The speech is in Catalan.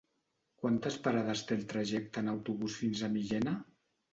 Quantes parades té el trajecte en autobús fins a Millena?